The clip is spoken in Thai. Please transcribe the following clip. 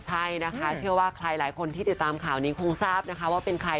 ใช่นะคะเชื่อว่าใครหลายคนที่ติดตามข่าวนี้คงทราบนะคะว่าเป็นใคร